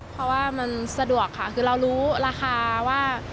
เพราะว่ามันสะดวกค่ะคือเรารู้ราคาว่า